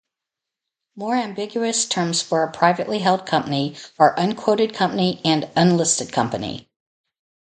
More ambiguous terms for a privately held company are unquoted company and unlisted company.